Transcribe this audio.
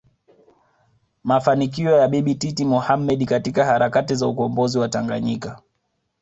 mafanikio ya Bibi Titi Mohamed katika harakati za ukombozi wa Tanganyika